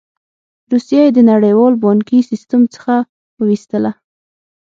روسیه یې د نړیوال بانکي سیستم څخه وویستله.